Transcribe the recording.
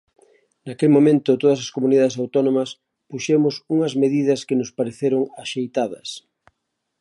Naquel momento todas as comunidades autónomas puxemos unhas medidas que nos pareceron axeitadas.